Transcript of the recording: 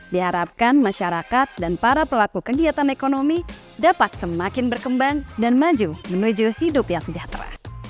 diharapkan masyarakat dan para pelaku kegiatan ekonomi dapat semakin berkembang dan maju menuju hidup yang sejahtera